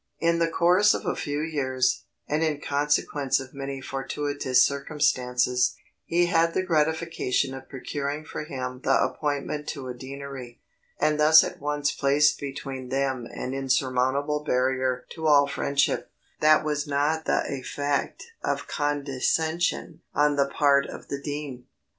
In the course of a few years, and in consequence of many fortuitous circumstances, he had the gratification of procuring for him the appointment to a deanery; and thus at once placed between them an insurmountable barrier to all friendship, that was not the effect of condescension on the part of the dean.